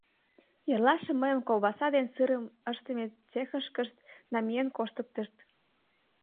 Эрлашым мыйым колбаса ден сырым ыштыме цехышкышт намиен коштыктышт.